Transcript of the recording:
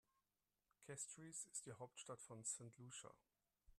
Castries ist die Hauptstadt von St. Lucia.